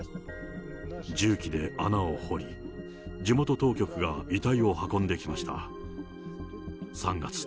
重機で穴を掘り、地元当局が遺体を運んできました。